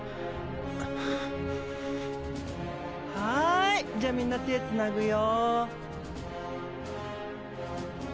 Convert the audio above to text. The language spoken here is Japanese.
はいじゃあみんな手つなぐよ。